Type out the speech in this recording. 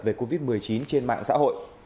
về covid một mươi chín trên mạng xã hội